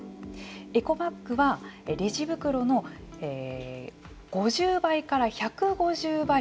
エコバッグはレジ袋の５０倍から１５０倍